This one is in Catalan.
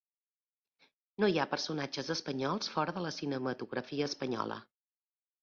No hi ha personatges espanyols fora de la cinematografia espanyola.